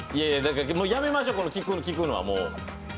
もうやめましょう、聞くのはもう。